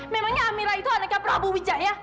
memangnya amira itu anaknya prabu widjaya